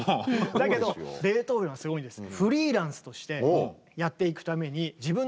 だけどベートーベンはすごいんです。